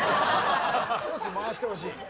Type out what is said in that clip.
１つ回してほしい。